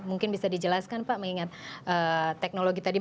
mungkin bisa dijelaskan pak mengingat teknologi tadi